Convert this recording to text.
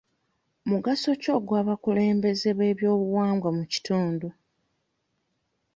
Mugaso ki ogw'abakulembeze b'ebyobuwangwa mu kitundu?